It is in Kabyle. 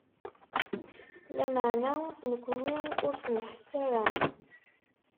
Lameɛna nekni ur s-nḥess ara.